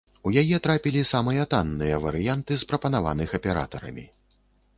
У яе трапілі самыя танныя варыянты з прапанаваных аператарамі.